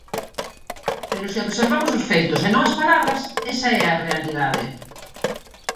Pero se observamos os feitos e non as palabras, esa é a realidade.